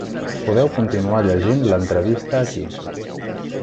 Podeu continuar llegint l’entrevista aquí.